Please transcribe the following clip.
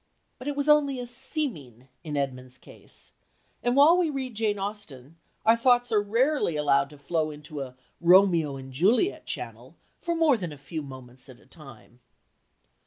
But it was only a "seeming" in Edmund's case, and while we read Jane Austen our thoughts are rarely allowed to flow into a "Romeo and Juliet" channel for more than a few moments at a time.